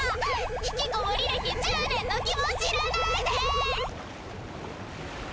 引きこもり歴１０年の気も知らないで！